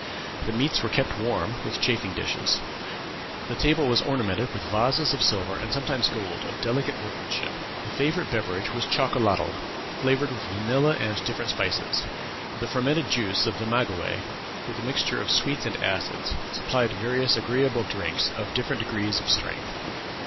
The meats were kept warm with chafing dishes. The table was ornamented with vases of silver and sometimes gold of delicate workmanship. The favorite beverage was chocolatl, flavored with vanilla and different spices. The fermented juice of the maguey, with a mixture of sweets and acids, supplied various agreeable drinks of different degrees of strength."